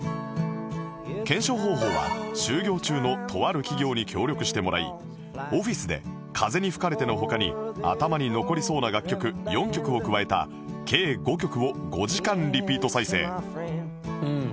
検証方法は就業中のとある企業に協力してもらいオフィスで『風に吹かれて』の他に頭に残りそうな楽曲４曲を加えた計５曲を５時間リピート再生